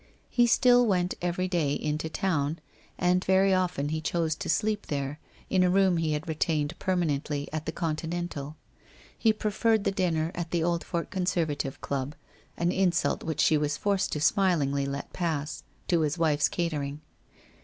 He still went every day into town, and very often he chose to sleep there in a room he had retained permanently at the Continental. He preferred the dinner at the Oldfort Conservative Club —■ an insult which she was forced to smilingly let pass — to his wife's catering.